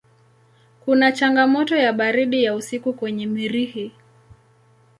Kuna changamoto ya baridi ya usiku kwenye Mirihi.